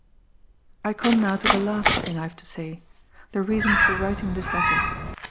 "I come now to the last thing I have to say the reason for writing this letter.